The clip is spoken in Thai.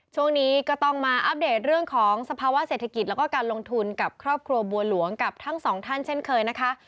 ช่วงนี้ก็ต้องมาอัปเดตเรื่องของสภาวะเศรษฐกิจแล้วก็การลงทุนกับครอบครัวบัวหลวงกับทั้งสองท่านเช่นเคยนะคะ